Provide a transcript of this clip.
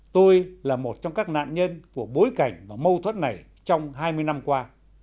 tôi là một trong các nạn nhân của bối cảnh và mâu thuẫn này trong hai mươi năm qua